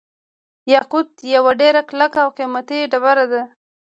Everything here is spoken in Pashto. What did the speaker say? یاقوت یوه ډیره کلکه او قیمتي ډبره ده.